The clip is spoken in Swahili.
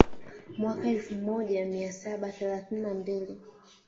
Mwaka elfumoja mia saba thelathini na mbili